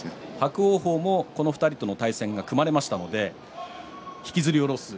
伯桜鵬もこの２人との対戦が決まりましたので引きずり下ろす